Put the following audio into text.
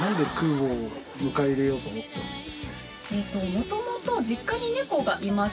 もともと。